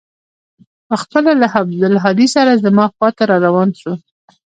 پخپله له عبدالهادي سره زما خوا ته راروان سو.